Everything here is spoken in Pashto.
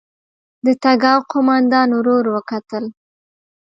د تګاو قوماندان ورور وکتل.